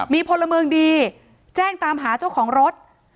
มีพลเมืองดีแจ้งตามหาเจ้าของรถ